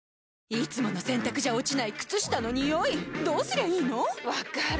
いつもの洗たくじゃ落ちない靴下のニオイどうすりゃいいの⁉分かる。